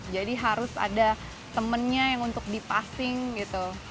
jadi harus ada temennya yang untuk dipasing gitu